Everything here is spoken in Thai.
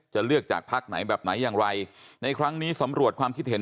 เลือกจากพักไหนแบบไหนอย่างไรในครั้งนี้สำรวจความคิดเห็น